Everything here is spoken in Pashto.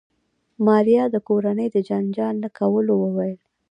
ماريا د کورنۍ د جنجال نه کولو وويل.